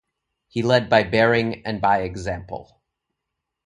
He led by bearing and by example.